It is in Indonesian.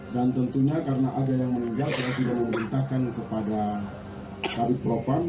dan tentunya karena ada yang meninggal kita sudah memerintahkan kepada kabupaten